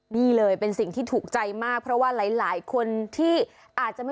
นี่เลยเป็นสิ่งที่ถูกใจมากเพราะว่าหลายคนที่อาจจะไม่